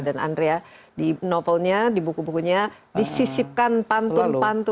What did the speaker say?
dan andrea di novelnya di buku bukunya disisipkan pantun pantun